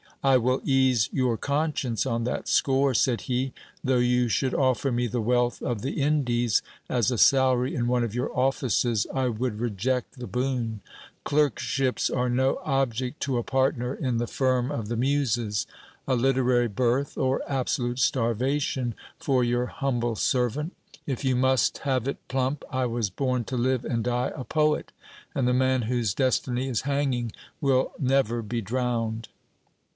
I will ease your con science on that score, said he : though you should offer me the wealth of the Indies as a salary in one of your offices, I would reject the boon : clerkships are no object to a partner in the firm of the Muses ; a literary berth, or absolute starvation for your humble servant ! If you must have it plump, I was born to live and die a poet, and the man whose destiny is hanging, will never be drowned.